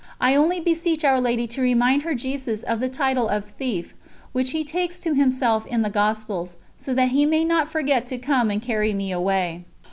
I only beseech Our Lady to remind her Jesus of the title of Thief, which He takes to Himself in the Gospels, so that He may not forget to come and carry me away."